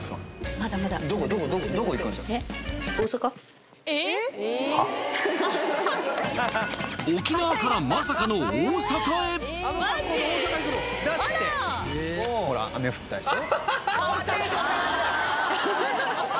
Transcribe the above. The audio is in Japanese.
まだまだ続く続く沖縄からまさかの大阪へほら雨降ったでしょ